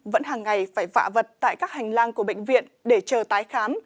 vẫn hàng ngày phải vạ vật tại các hành lang của bệnh viện để chờ tái khám